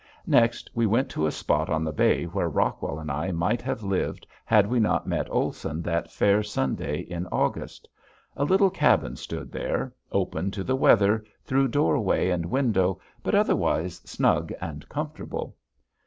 Next we went to a spot on the bay where Rockwell and I might have lived had we not met Olson that fair Sunday in August. A little cabin stood there open to the weather through doorway and window but otherwise snug and comfortable.